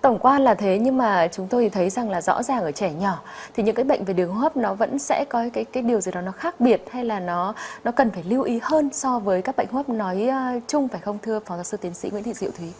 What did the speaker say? tổng quan là thế nhưng mà chúng tôi thấy rằng là rõ ràng ở trẻ nhỏ thì những cái bệnh về đường hấp nó vẫn sẽ có cái điều gì đó nó khác biệt hay là nó cần phải lưu ý hơn so với các bệnh hấp nói chung phải không thưa phó giáo sư tiến sĩ nguyễn thị diệu thúy